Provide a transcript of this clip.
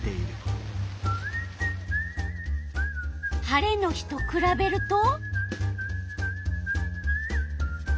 晴れの日とくらべると？